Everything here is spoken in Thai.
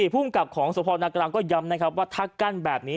ภูมิกับของสพนกลางก็ย้ำนะครับว่าถ้ากั้นแบบนี้